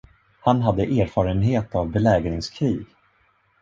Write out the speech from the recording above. Han hade erfarenhet av belägringskrig.